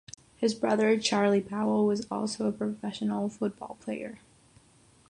His brother, Charlie Powell was also a professional football player.